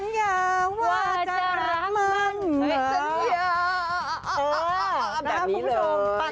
สัญญาว่าจะรักมั้งเหรอสัญญาอ่ออ่ะอ่ะอ่ะแบบนี้เลย